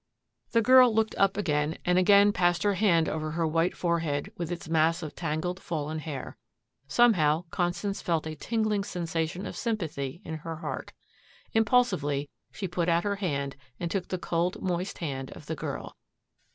The girl looked up and again passed her hand over her white forehead with its mass of tangled fallen hair. Somehow Constance felt a tingling sensation of sympathy in her heart. Impulsively she put out her hand and took the cold moist hand of the girl.